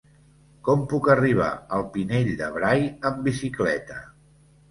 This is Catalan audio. Com puc arribar al Pinell de Brai amb bicicleta?